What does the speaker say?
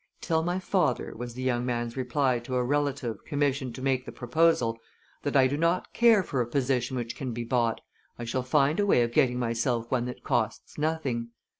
"Tell my father," was the young man's reply to the relative commissioned to make the proposal, "that I do not care for a position which can be bought; I shall find a way of getting myself one that costs nothing."